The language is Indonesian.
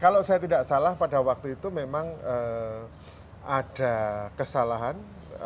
kalau saya tidak salah pada waktu itu memang ada kesalahan